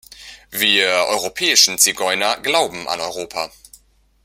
Wir europäischen Zigeuner glauben an Europa.